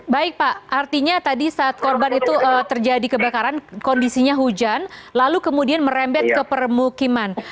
baik pak artinya tadi saat korban itu terjadi kebakaran kondisinya hujan lalu kemudian merembet ke permukiman